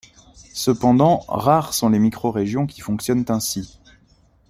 Cependant, rares sont les microrégions qui fonctionnent ainsi.